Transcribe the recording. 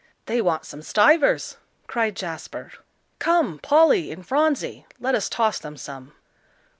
"They want some stuivers," cried Jasper. "Come, Polly and Phronsie, let us toss them some."